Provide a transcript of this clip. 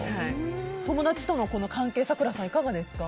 友達との関係咲楽さん、いかがですか。